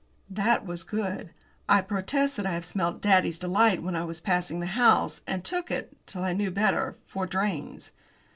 That was good. I protest that I have smelt "Daddy's Delight" when I was passing the house, and took it till I knew better for drains.